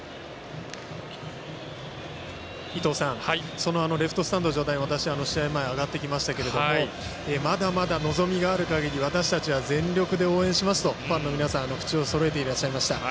そのレフトスタンドの上段、私試合前、上がってきましたけどまだまだ望みがある限り私たちは全力で応援しますと口をそろえていらっしゃいました。